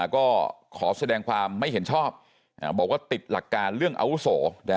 ก็ขอแสดงความไม่เห็นชอบบอกว่าติดหลักการเรื่องอาวุโส